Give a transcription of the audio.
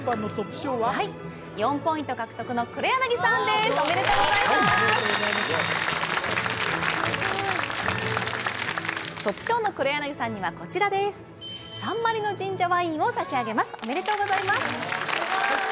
サンマリノ神社ワインを差し上げますおめでとうございますすごい！